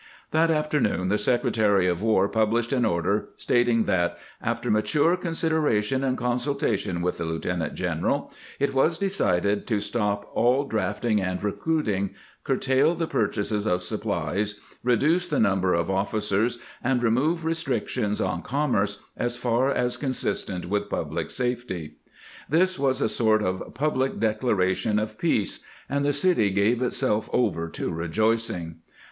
That afternoon the Secretary of War published an order stating that, "after mature consideration and consultation with the lieutenant general," it was decided to stop all drafting and recruiting, curtail the purchases of supplies, reduce the number of officers, and remove restrictions on commerce as far as consistent with public safety. This was a sort of public declaration of peace, and the city gave itself over to rejoicing.